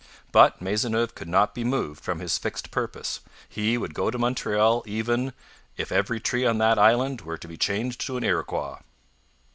But Maisonneuve could not be moved from his fixed purpose; he would go to Montreal even 'if every tree on that island were to be changed to an Iroquois.'